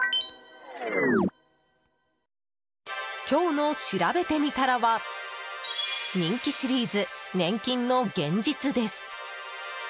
今日のしらべてみたらは人気シリーズ、年金の現実です。